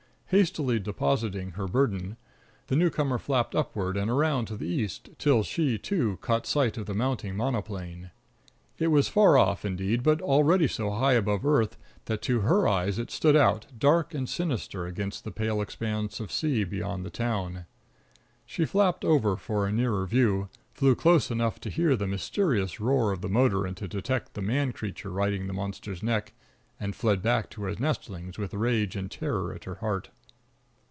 Hastily depositing her burden, the newcomer flapped upward and around to the east, till she, too, caught sight of the mounting monoplane. It was far off, indeed, but already so high above earth that to her eyes it stood out dark and sinister against the pale expanse of sea beyond the town. She flapped over for a nearer view, flew close enough to hear the mysterious roar of the motor and to detect the man creature riding the monster's neck, and fled back to her nestlings with rage and terror at her heart.